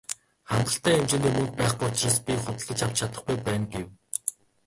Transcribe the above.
"Хангалттай хэмжээний мөнгө байхгүй учраас би худалдаж авч чадахгүй байна" гэв.